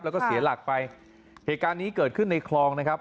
แล้วก็เสียหลักไปเหตุการณ์นี้เกิดขึ้นในคลองนะครับ